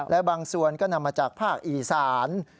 และบางส่วนก็นำมาจากภาคอีสาน